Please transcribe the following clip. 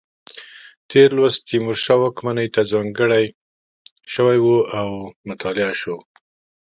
تېر لوست تیمورشاه واکمنۍ ته ځانګړی شوی و او مطالعه شو.